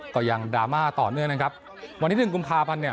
ดราม่าต่อเนื่องนะครับวันที่หนึ่งกุมภาพันธ์เนี่ย